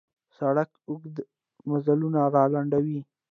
سړک اوږده مزلونه را لنډوي.